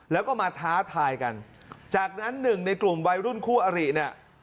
แล้วก็มาท้าทายกันจากนั้นหนึ่งในกลุ่มวัยรุ่นคู่อริเนี่ย